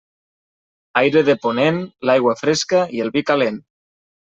Aire de ponent, l'aigua fresca i el vi calent.